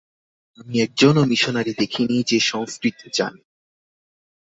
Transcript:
আমি একজনও মিশনারী দেখিনি, যে সংঙ্কৃত জানে।